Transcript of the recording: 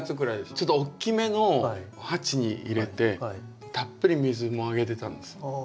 ちょっと大きめの鉢に入れてたっぷり水もあげてたんです。